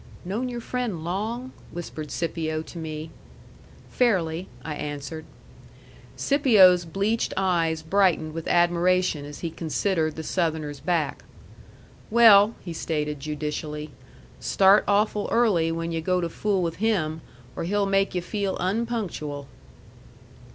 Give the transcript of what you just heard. "Known your friend long?" whispered Scipio to me. "Fairly," I answered. Scipio's bleached eyes brightened with admiration as he considered the Southerner's back. "Well," he stated judicially, "start awful early when yu' go to fool with him, or he'll make you feel unpunctual."